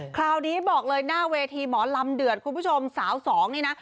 คราวนี้บอกเลยหน้าเวทีหมอลำเดือดคุณผู้ชมสาวสองนี่นะ